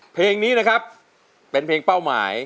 เพลงนี้นะครับเป็นเพลงเป้าหมาย